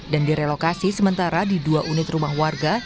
dan direlokasi sementara di dua unit rumah warga